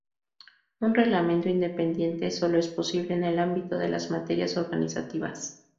Un reglamento independiente solo es posible en el ámbito de las materias organizativas.